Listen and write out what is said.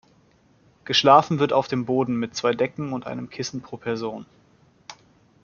Geschlafen wird auf dem Boden mit zwei Decken und einem Kissen pro Person.